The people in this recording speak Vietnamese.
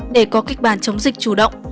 để có kịch bản chống dịch chủ động